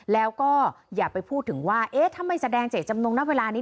แล้วก็อย่าไปพูดถึงว่าเอ๊ะทำไมแสดงเจตจำนงณเวลานี้